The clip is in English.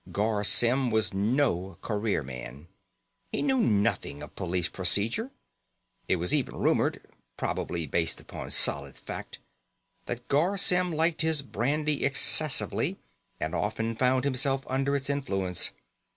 Garr Symm was no career man. He knew nothing of police procedure. It was even rumored probably based upon solid fact that Garr Symm liked his brandy excessively and often found himself under its influence.